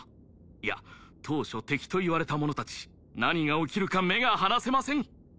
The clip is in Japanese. いや当初敵と言われた者達何が起きるか目が離せません